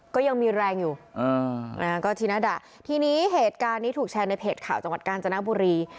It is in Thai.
ก็ยังมีแรงอยู่ก็ทีหน้าดะทีนี้เหตุการณ์นี้ถูกแชร์ในเพจข่าวจังหวัดกาญจนบุรี